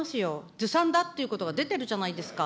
ずさんだっていうことが出てるじゃないですか。